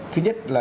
thứ nhất là